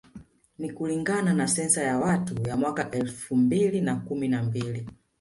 Ni kulingana na sensa ya watu ya mwaka elfu mbili na kumi na mbili